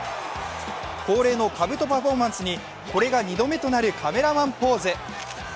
恒例のかぶとパフォーマンスにこれが２度目となるカメラマンポーズ。